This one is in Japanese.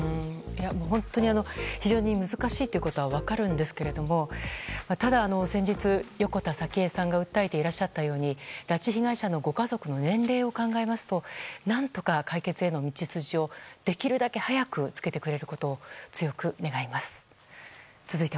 本当に非常に難しいということは分かるんですがただ、先日、横田早紀江さんが訴えていらっしゃったように拉致被害者のご家族の年齢を考えますと何とか解決への道筋をできるだけ早くつけてくれることを強く願います。